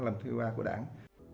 lần thứ ba của đảng